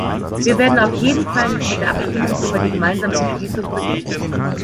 Wir werden auf jeden Fall nicht mit der Abstimmung über die gemeinsame Entschließung beginnen.